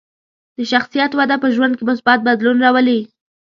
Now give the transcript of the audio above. د شخصیت وده په ژوند کې مثبت بدلون راولي.